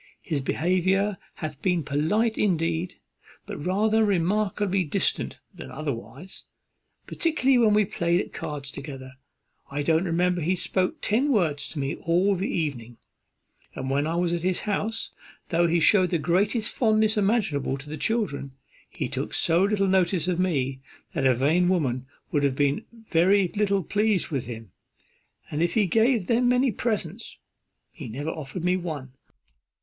His behaviour hath been polite indeed, but rather remarkably distant than otherwise. Particularly when we played at cards together. I don't remember he spoke ten words to me all the evening; and when I was at his house, though he shewed the greatest fondness imaginable to the children, he took so little notice of me, that a vain woman would have been very little pleased with him. And if he gave them many presents, he never offered me one.